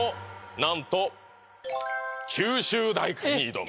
なんと「九州大会に挑む」